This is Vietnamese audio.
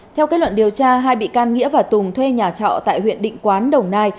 theo kết luận điều tra hai bị can nghĩa và tùng thuê nhà trọ tại huyện định quán đồng nai